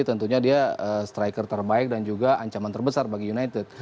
tentunya dia striker terbaik dan juga ancaman terbesar bagi united